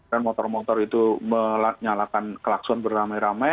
dan motor motor itu menyalakan kelakson beramai ramai